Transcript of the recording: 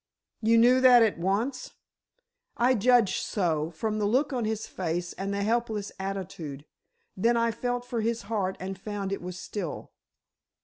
"You knew that at once?" "I judged so, from the look on his face and the helpless attitude. Then I felt for his heart and found it was still."